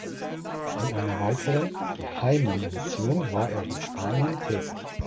In einer weiteren (geheimen) Mission war er in Spanien tätig.